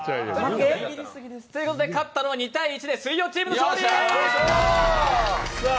勝ったのは２対１で、水曜チームの勝利。